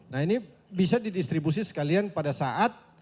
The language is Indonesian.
nah ini bisa didistribusi sekalian pada saat